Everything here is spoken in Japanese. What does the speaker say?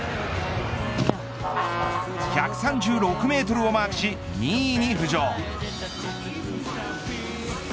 １３６メートルをマークし２位に浮上。